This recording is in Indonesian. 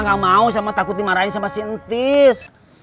gak mau sama takut dimarahin sama si entis